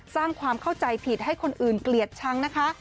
สร้างความเข้าใจผิดให้คนอื่นเกลียดชังนะคะ